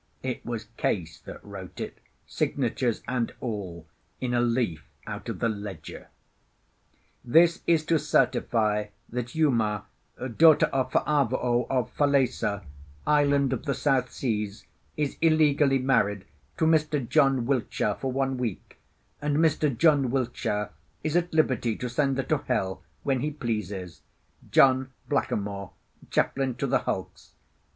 It was Case that wrote it, signatures and all, in a leaf out of the ledger:— This is to certify that Uma, daughter of Fa'avao of Falesá, Island of ——, is illegally married to Mr. John Wiltshire for one week, and Mr. John Wiltshire is at liberty to send her to hell when he pleases. JOHN BLACKAMOAR. Chaplain to the hulks.